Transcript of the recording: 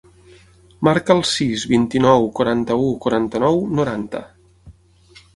Marca el sis, vint-i-nou, quaranta-u, quaranta-nou, noranta.